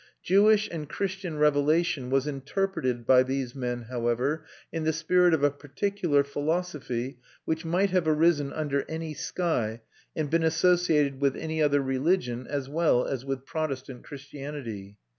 Jewish and Christian revelation was interpreted by these men, however, in the spirit of a particular philosophy, which might have arisen under any sky, and been associated with any other religion as well as with Protestant Christianity.